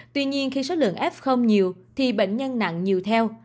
tuy nhiên khi số lượng f không nhiều thì bệnh nhân nặng nhiều theo